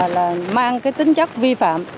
là mang cái tính chất vi phạm